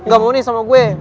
gak mau nih sama gue